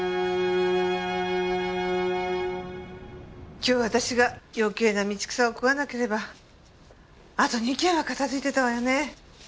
今日私が余計な道草を食わなければあと２件は片付いてたわよね。